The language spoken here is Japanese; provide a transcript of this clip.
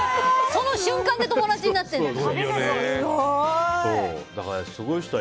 その瞬間で友達になってるんだ。